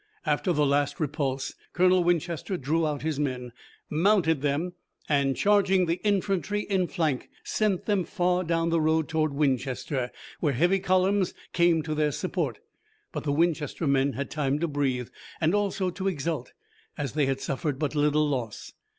After the last repulse Colonel Winchester drew out his men, mounted them, and charging the infantry in flank sent them far down the road toward Winchester, where heavy columns came to their support. But the Winchester men had time to breathe, and also to exult, as they had suffered but little loss.